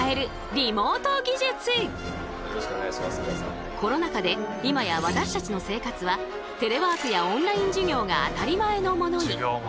今コロナ禍で今や私たちの生活はテレワークやオンライン授業が当たり前のものに。